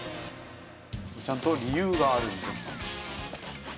ちゃんと理由があるんです。